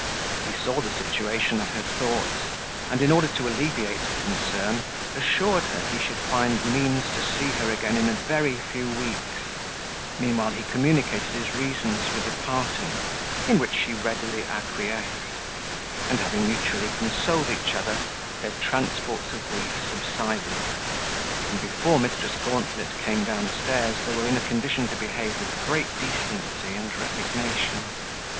He saw the situation of her thoughts, and, in order to alleviate her concern, assured her he should find means to see her again in a very few weeks: meanwhile he communicated his reasons for departing, in which she readily acquiesced; and having mutually consoled each other, their transports of grief subsided: and before Mrs. Gauntlet came downstairs, they were in a condition to behave with great decency and resignation.